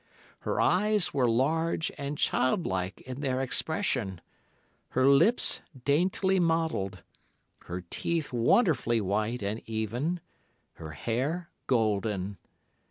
Her eyes were large and childlike in their expression, her lips daintily modelled, her teeth wonderfully white and even, her hair golden.